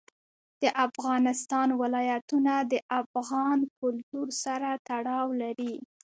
د افغانستان ولايتونه د افغان کلتور سره تړاو لري.